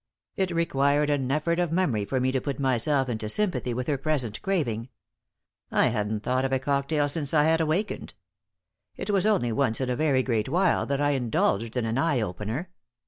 It required an effort of memory for me to put myself into sympathy with her present craving. I hadn't thought of a cocktail since I had awakened. It was only once in a very great while that I indulged in an eye opener.